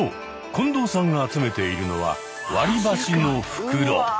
近藤さんが集めているのは「割り箸の袋」。